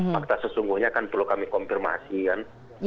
maka sesungguhnya kan perlu kami konfirmasi kan